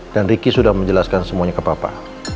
dan ricky sudah menjelaskan semuanya ke papa